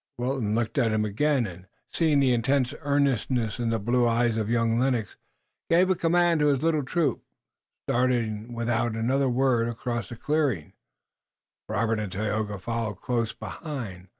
Wilton looked at him again, and, seeing the intense earnestness in the blue eyes of young Lennox, gave a command to his little troop, starting without another word across the clearing, Robert and Tayoga following close behind.